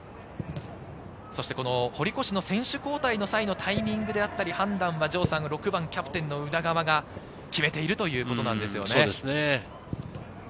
堀越の選手交代の際のタイミングであったり判断は６番、キャプテンの宇田川が決めているということですね。